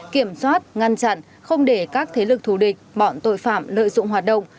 kiểm soát ngăn chặn không để các thế lực thù địch bọn tội phạm lợi dụng hoạt động